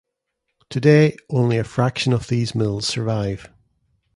Today only a fraction of these mills survive.